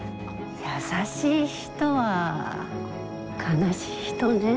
優しい人は悲しい人ね。